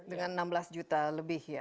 dengan enam belas juta lebih ya